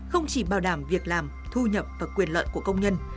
không chỉ bảo đảm việc làm thu nhập và quyền lợi của công nhân